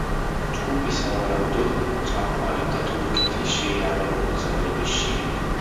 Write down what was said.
ჯგუფი, სავარაუდოდ, ჩამოყალიბდა თურქეთის შეიარაღებული ძალების შიგნით.